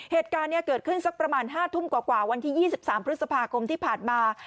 เหตุการณ์เกิดขึ้นสักประมาณ๕ทุ่มกว่าวันที่๒๓พฤษภาคมที่ผ่านมา